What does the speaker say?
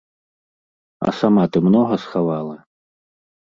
А сама ты многа схавала?